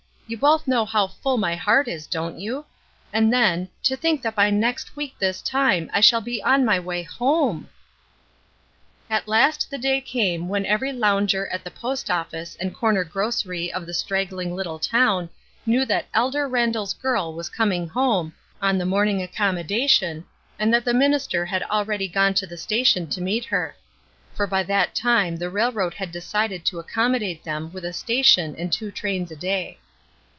you both know how full my heart is, don't you ? And then — to think that by next week this time I shall be on my way At last the day came when every lounger at the post office and corner grocery of the strag gling httle town knew that "Elder Randall's girl" was coming home, on the morning accom modation, and that the minister had aheady gone to the station to meet her. For by that time the railroad had decided to accommodate them with a station and two trains a day.